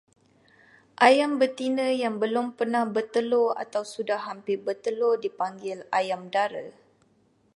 Ayam betina yang belum pernah bertelur atau sudah hampir bertelur dipanggil ayam dara.